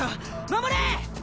守れ！